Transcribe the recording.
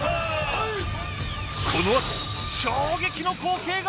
このあと衝撃の光景が！！